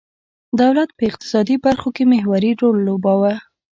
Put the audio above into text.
دولت په اقتصادي برخو کې محوري رول لوباوه.